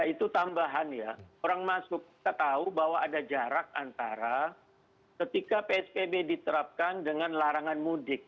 itu tambahan ya orang masuk kita tahu bahwa ada jarak antara ketika psbb diterapkan dengan larangan mudik